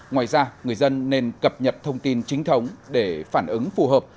ngoài ra người dân nên cập nhật thông tin chính thống để phản ứng phù hợp